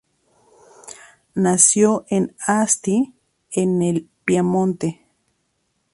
Nació en Asti, en el Piamonte.